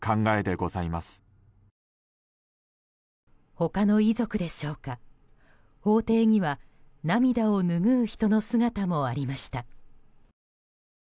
他の遺族でしょうか法廷には涙を拭う人の姿もありました。